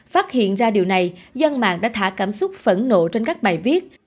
phát hiện ra điều này dân mạng đã thả cảm xúc phẫn nộ trên các bài viết